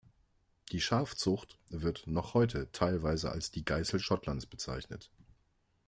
Die Schafzucht wird noch heute teilweise als die „Geißel Schottlands“ bezeichnet.